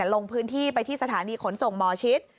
ลงพื้นที่ไปที่สถานีขนส่งหมอชิด